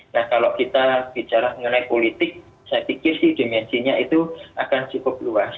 nah kalau kita bicara mengenai politik saya pikir sih dimensinya itu akan cukup luas